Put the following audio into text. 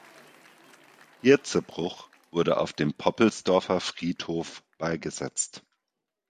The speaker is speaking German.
Hirzebruch wurde auf dem Poppelsdorfer Friedhof beigesetzt.